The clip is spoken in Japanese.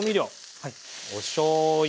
おしょうゆ。